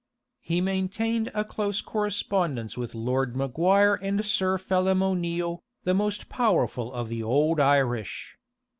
He maintained a close correspondence with Lord Maguire and Sir Phelim O'Neale, the most powerful of the old Irish.